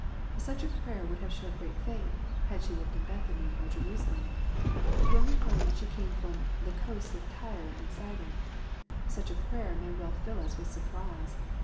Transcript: Such a prayer would have showed great faith, had she lived in Bethany, or Jerusalem. But when we find that she came from the " coasts of Tyre and Sidon,'' such a prayer may well till ns with surprise.